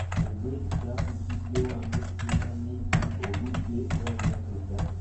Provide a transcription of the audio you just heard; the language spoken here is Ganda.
Obwedda ntudde wano simanyi nti obudde bwagenze dda.